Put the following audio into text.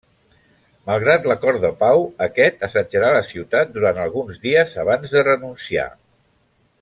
Malgrat l'acord de pau, aquest assetjarà la ciutat durant alguns dies abans de renunciar.